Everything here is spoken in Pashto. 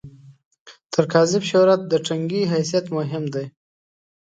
تر کاذب شهرت، د ټنګي حیثیت مهم دی.